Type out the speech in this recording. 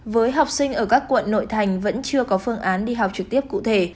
với học sinh ở các quận nội thành vẫn chưa có phương án đi học trực tiếp cụ thể